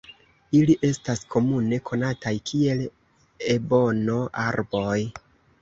Ili estas komune konataj kiel ebono-arboj.